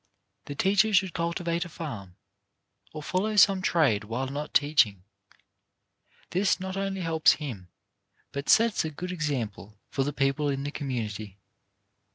The teacher should cultivate a farm, or follow some trade while not teaching. This not only helps him, but sets a good example for the people in the community.